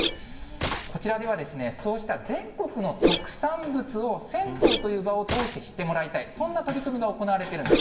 こちらでは、そうした全国の特産物を銭湯という場を通して知ってもらいたい、そんな取り組みが行われているんです。